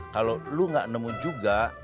kalau lu gak nemu juga